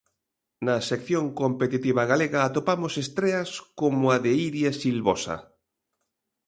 Na sección competitiva galega atopamos estreas como a de Iria Silvosa.